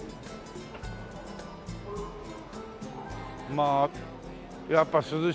まあやっぱ涼しいね。